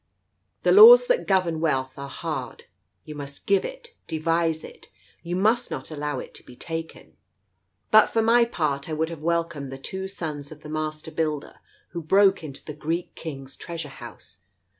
The laws that govern wealth are hard. You must give it, devise it, you must not allow it to be taken. But for my part I would have welcomed the two sons of the master builder who broke into the Greek King's Treasure House.